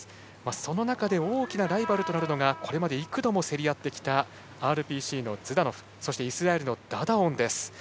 その中で大きなライバルとなるのがこれまで幾度も競り合ってきたＲＰＣのズダノフそしてイスラエルのダダオン。